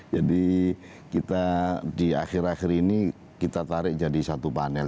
jadi kita di akhir akhir ini kita tarik jadi satu panel